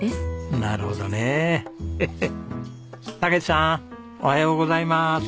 武史さんおはようございます。